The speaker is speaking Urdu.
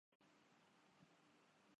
مطلب ایمپائر اور خلافت میں سیٹ کیا گیا ہے